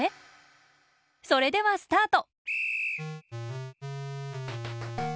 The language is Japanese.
それではスタート！